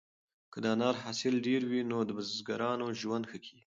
که د انار حاصل ډېر وي نو د بزګرانو ژوند ښه کیږي.